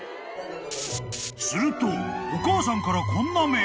［するとお母さんからこんなメールが］